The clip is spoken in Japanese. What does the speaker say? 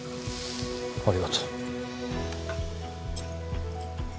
ありがとう。